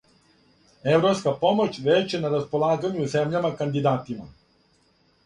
Европска помоћ већ је на располагању земљама кандидатима.